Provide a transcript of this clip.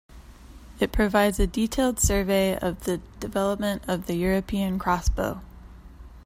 It provides a detailed survey of the development of the European crossbow.